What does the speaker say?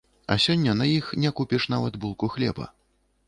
А сёння на іх не купіш нават булку хлеба.